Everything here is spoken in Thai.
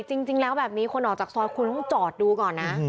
จริงแล้วแบบนี้คนออกจากซอยคุณต้องจอดดูก่อนนะ